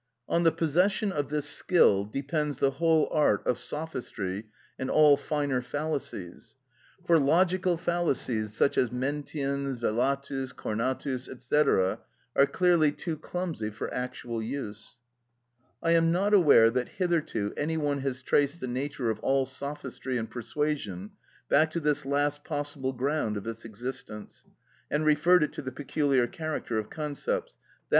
On the possession of this skill depends the whole art of sophistry and all finer fallacies; for logical fallacies such as mentiens, velatus, cornatus, &c., are clearly too clumsy for actual use. I am not aware that hitherto any one has traced the nature of all sophistry and persuasion back to this last possible ground of its existence, and referred it to the peculiar character of concepts, _i.